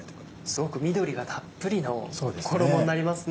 すごく緑がたっぷりの衣になりますね。